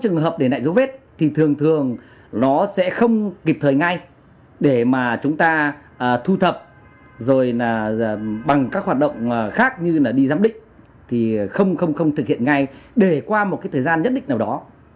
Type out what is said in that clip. nếu không giám định thì không thực hiện ngay để qua một thời gian nhất định nào đó